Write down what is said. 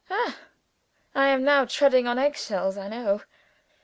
Ah, I am now treading on egg shells, I know!